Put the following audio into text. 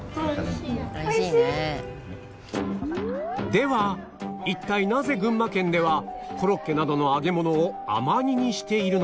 では一体なぜ群馬県ではコロッケなどの揚げ物を甘煮にしているのか？